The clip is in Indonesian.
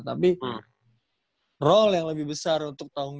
tapi role yang lebih besar untuk tahun